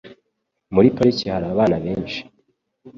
Muri parike hari abana benshi.